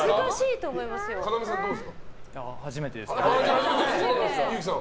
初めてです。